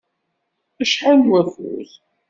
Acḥal n wakud?